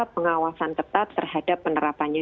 serta pengawasan tetap terhadap penerbangan